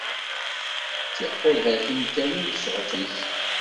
D tiqulhatin kan i d ccɣel-is.